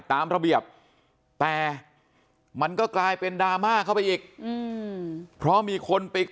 ตามระเบียบแต่มันก็กลายเป็นดราม่าเข้าไปอีกเพราะมีคนไป